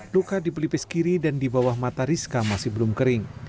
luka di pelipis kiri dan di bawah mata rizka masih belum kering